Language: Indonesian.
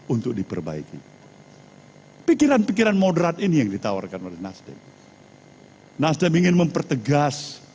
untuk diperbaiki pikiran pikiran moderat ini yang ditawarkan oleh nasdem nasdem ingin mempertegas